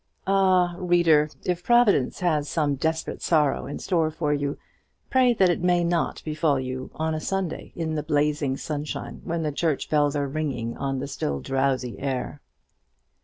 Ah, reader, if Providence has some desperate sorrow in store for you, pray that it may not befall you on a Sunday, in the blazing sunshine, when the church bells are ringing on the still drowsy air.